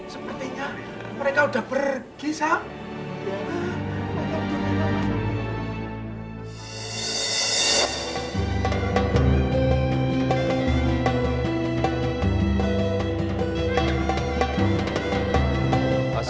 sepertinya mereka udah pergi sahab